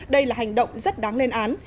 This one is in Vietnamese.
đây là hành động rất đáng lên án